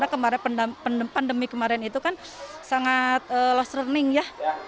karena pandemi kemarin itu kan sangat lost running ya